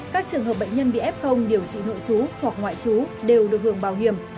các trường hợp bệnh nhân bị f điều trị nội chú hoặc ngoại trú đều được hưởng bảo hiểm